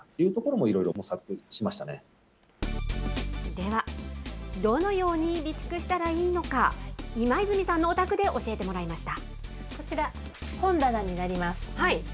では、どのように備蓄したらいいのか、今泉さんのお宅で教えてもらいました。